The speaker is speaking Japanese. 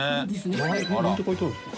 △蕁何て書いてあるんですか？